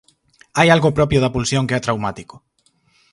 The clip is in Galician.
Hai algo propio da pulsión que é traumático.